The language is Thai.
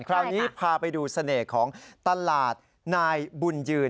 คราวนี้พาไปดูเสน่ห์ของตลาดนายบุญยืน